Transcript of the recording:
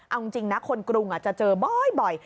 เอาจริงนะคนกรุงจะเจอบ่อย